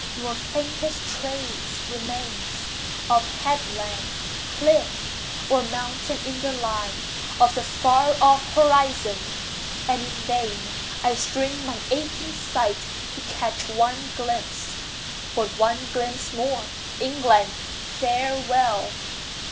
nor faintest trace remains Of headland, cliff, or mountain in the line Of the far off horizon; and in vain I strain my aching sight to catch one glimpse, But one glimpse more. England, farewell!